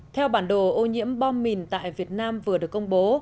theo bản đồ ô nhiễm bom mìn tại việt nam vừa được công bố